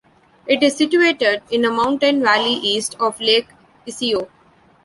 It is situated in a mountain valley east of Lake Iseo.